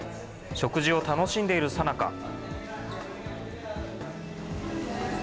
食事を楽しんでいるさなか。